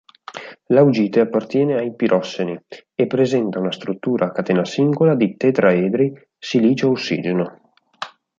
L'augite appartiene ai pirosseni e presenta una struttura a catena singola di tetraedri silicio-ossigeno.